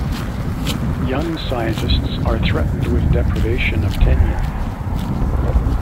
Young scientists are threatened with deprivation of tenure.